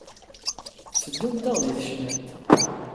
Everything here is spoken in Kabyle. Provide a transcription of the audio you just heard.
tetteddumt-aɣ deg tecnant.